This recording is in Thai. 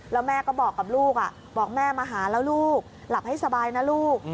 แล้วแม่ก็บอกกับลูกบอกแม่มาหาแล้วลูกหลับให้สบายนะลูก